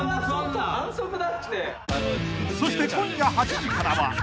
［そして今夜８時からは］